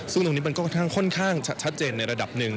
ซึ่งตรงนี้มันก็ค่อนข้างชัดเจนในระดับหนึ่ง